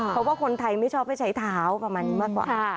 เพราะว่าคนไทยไม่ชอบให้ใช้เท้าประมาณนี้มากกว่า